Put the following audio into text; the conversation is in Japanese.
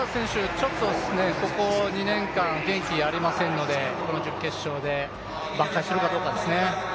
ここ２年間元気ありませんので、この準決勝で挽回するかどうかですね。